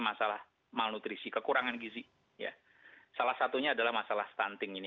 masalah malnutrisi kekurangan gizi ya salah satunya adalah masalah stunting ini